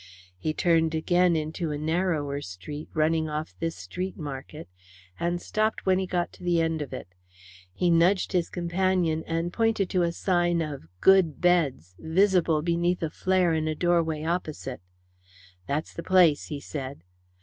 He turned again into a narrower street running off this street market, and stopped when he got to the end of it. He nudged his companion, and pointed to a sign of "Good Beds," visible beneath a flare in a doorway opposite. "That's the place," he said.